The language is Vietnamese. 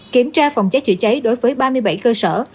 kiểm tra phòng cháy chữa cháy đối với ba mươi bảy cơ sở